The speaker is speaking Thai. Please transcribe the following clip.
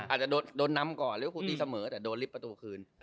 อาจจะโดนนำก่อนหรือครูตีเสมอแต่โดนลิฟต์ประตูคืน